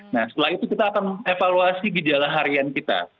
nah setelah itu kita akan evaluasi gejala harian kita